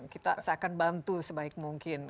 kita seakan bantu sebaik mungkin